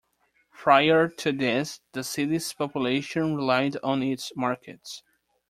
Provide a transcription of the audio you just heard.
Prior to this, the city's population relied on its markets.